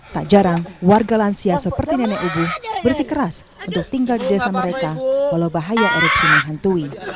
tak jarang warga lansia seperti nenek ibu bersikeras untuk tinggal di desa mereka walau bahaya erupsi menghantui